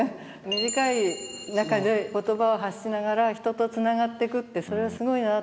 短い中で言葉を発しながら人とつながっていくってそれはすごいなと思って。